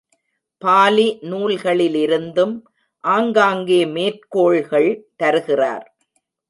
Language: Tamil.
பாலி நூல்களிலிருந்தும் ஆங்காங்கே மேற்கோள்கள் தருகிறார்.